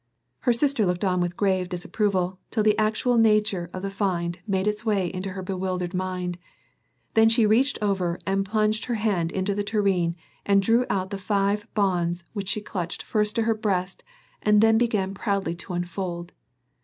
Her sister looked on with grave disapproval till the actual nature of the find made its way into her bewildered mind, then she reached over and plunged her hand into the tureen and drew out the five bonds which she clutched first to her breast and then began proudly to unfold.